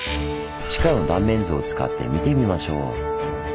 地下の断面図を使って見てみましょう。